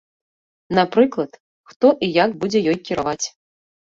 Напрыклад, хто і як будзе ёй кіраваць.